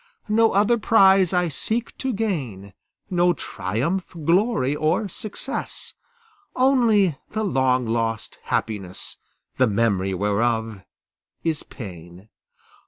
No other prize I seek to gain, No triumph, glory, or success, Only the long lost happiness, The memory whereof is pain.